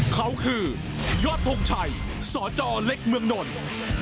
เขาคือยอดทงชัยสจเล็กเมืองนนท์